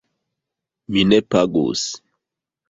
Mi ne pagus.